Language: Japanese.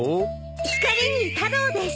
「光」に「太郎」です。